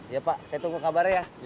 iya pak saya tunggu kabarnya ya